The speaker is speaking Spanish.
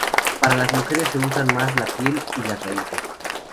Para las mujeres se usan más la piel y las raíces.